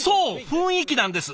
雰囲気なんです！